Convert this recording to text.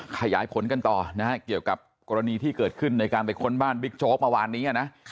ขยายผลกันต่อนะฮะเกี่ยวกับกรณีที่เกิดขึ้นในการไปค้นบ้านบิ๊กโจ๊กเมื่อวานนี้นะ